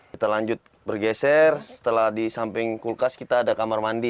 kita lanjut bergeser setelah di samping kulkas kita ada kamar mandi